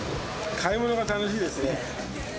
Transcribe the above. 買い物が楽しいですね。